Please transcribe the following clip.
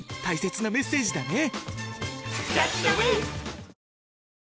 大切なメッセージだね。